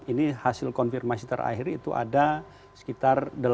ini hasil konfirmasi terakhir itu ada sekitar enam belas hotel